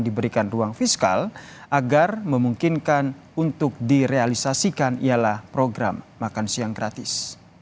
dan juga memberikan ruang fiskal agar memungkinkan untuk direalisasikan ialah program makan siang gratis